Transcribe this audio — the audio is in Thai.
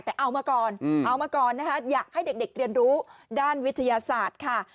แต่เอามาก่อนอยากให้เด็กเดียนรู้ด้านวิทยาศาสตร์ค่ะ